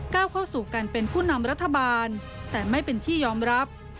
เข้าสู่การเป็นผู้นำรัฐบาลแต่ไม่เป็นที่ยอมรับ